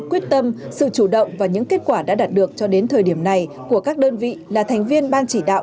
quyết tâm sự chủ động và những kết quả đã đạt được cho đến thời điểm này của các đơn vị là thành viên ban chỉ đạo